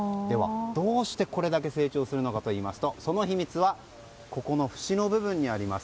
どうして、これだけ成長するのかといいますとその秘密は節の部分にあります。